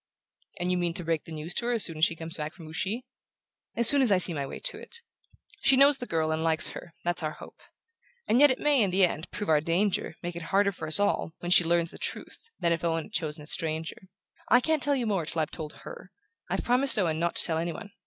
"And you mean to break the news to her as soon as she comes back from Ouchy?" "As soon as I see my way to it. She knows the girl and likes her: that's our hope. And yet it may, in the end, prove our danger, make it harder for us all, when she learns the truth, than if Owen had chosen a stranger. I can't tell you more till I've told her: I've promised Owen not to tell any one.